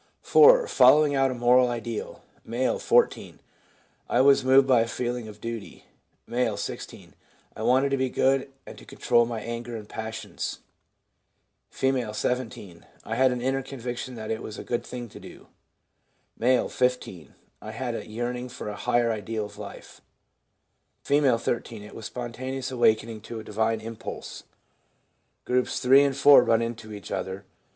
4. Following out a moral ideal. — M., 14. ' I was moved by a feeling of duty.' M., 16. ' I wanted to be good and to control my anger and passions.' F., 17. ' I had an inner conviction that it was a good thing to do.' M., 15. * I had a yearning for a higher ideal of life.' F., 13. * It was spontaneous awakening to a divine impulse.' Groups 3 and 4 run into each other.